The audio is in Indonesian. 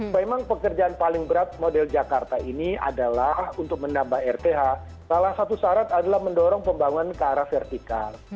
memang pekerjaan paling berat model jakarta ini adalah untuk menambah rth salah satu syarat adalah mendorong pembangunan ke arah vertikal